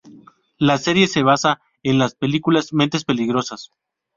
La serie se basa en la película "Mentes peligrosas".